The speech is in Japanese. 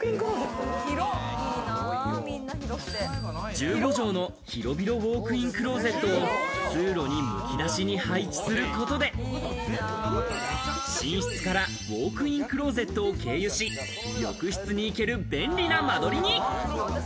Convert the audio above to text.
１５畳の広々ウォークインクローゼットを通路にむき出しに配置することで、寝室からウォークインクローゼットを経由し、浴室に行ける便利な間取りに。